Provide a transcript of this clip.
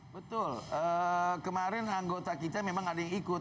betul kemarin anggota kita memang ada yang ikut